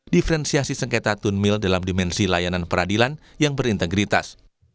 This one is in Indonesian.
diferensiasi sengketa tun mill dalam dimensi layanan peradilan yang berintegritas